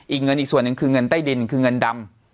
อีกเงินอีกส่วนหนึ่งคือเงินใต้ดินคือเงินดำ